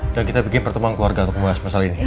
dan kita bikin pertemuan keluarga untuk membahas masalah ini